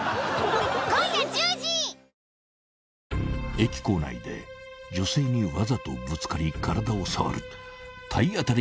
［駅構内で女性にわざとぶつかり体を触る体当たり